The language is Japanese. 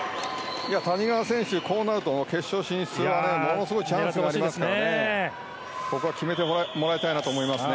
谷川選手、こうなると決勝進出へものすごいチャンスですからここは決めてもらいたいと思いますね。